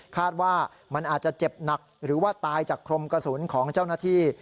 คาดว่ามันอาจจะเจ็บหนักหรือว่าตายจากครมกระสุนของเจ้าหน้าที่